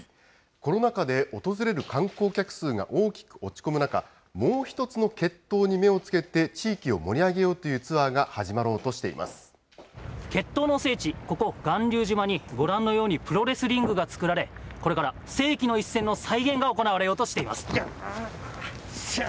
コロナ禍で訪れる観光客数が大きく落ち込む中、もう一つの決闘に目をつけて地域を盛り上げようというツアーが始まろうとして決闘の聖地、ここ巌流島に、ご覧のように、プロレスリングが作られ、これから世紀の一戦の再現が行われようとしています。